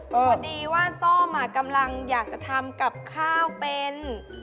พอดีว่าซ่อมกำลังอยากจะทำกับข้าวเป็น